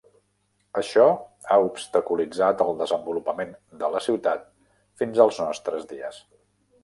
Això ha obstaculitzat el desenvolupament de la ciutat fins als nostres dies.